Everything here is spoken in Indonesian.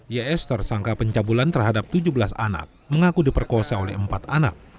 ys tersangka pencabulan terhadap tujuh belas anak mengaku diperkosa oleh empat anak